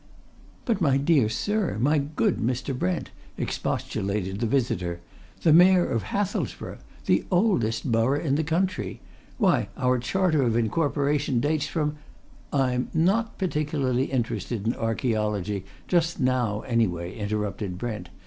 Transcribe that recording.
"But my dear sir, my good Mr. Brent!" expostulated the visitor. "The Mayor of Hathelsborough! The oldest borough in the country! Why, our charter of incorporation dates from " "I'm not particularly interested in archæology, just now anyway," interrupted Brent.